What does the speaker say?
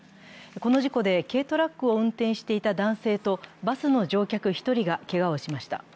この事故で軽トラックを運転していた男性とバスの乗客１人がけがをしました。